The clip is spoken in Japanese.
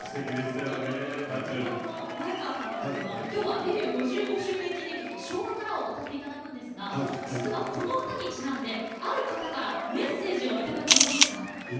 前川さんはデビュー５５周年記念曲「昭和から」を歌っていただきますが、実はこの歌にちなんである方からメッセージをいただきました。